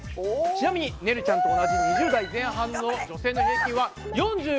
ちなみにねるちゃんと同じ２０代前半の女性の平均は４５ｃｍだそうです。